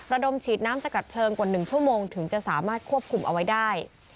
ระดมฉีดน้ำสกัดเพลิงกว่า๑ชั่วโมงถึงจะสามารถควบคุมเอาไว้ได้